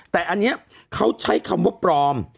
แต่อันนี้เขาใช้คำว่าปลอม